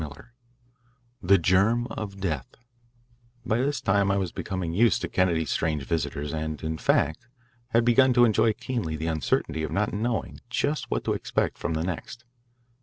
III THE GERM OF DEATH By this time I was becoming used to Kennedy's strange visitors and, in fact, had begun to enjoy keenly the uncertainty of not knowing just what to expect from them next.